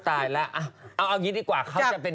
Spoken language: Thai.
หรืออยากดูเท้าไหมล่ะอย่างนี้ประมาณนี้ใช่ไหม